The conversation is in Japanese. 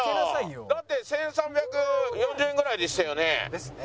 だって１３４０円ぐらいでしたよね？ですね。